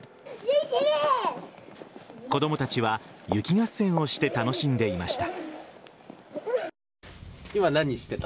子供たちは雪合戦をして楽しんでいました。